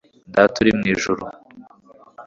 data uri mu ijuru